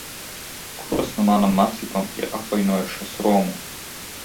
Kuras no manām mācībām ir apvainojušas Romu?